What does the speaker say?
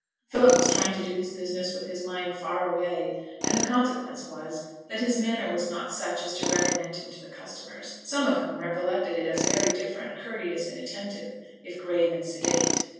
Philip was trying to do his business with his mind far away; and the consequence was that his manner was not such as to recommend him to the customers, some of whom recollected it as very different, courteous and attentive, if grave and sedate.